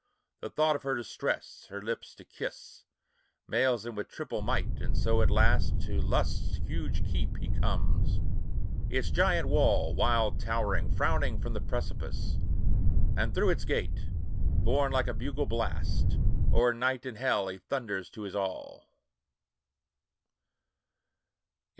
The thought of her distress, her lips to kiss, Mails him with triple might; and so at last To Lust's huge keep he comes; its giant wall, Wild towering, frowning from the precipice; And through its gate, borne like a bugle blast, O'er night and hell he thunders to his all.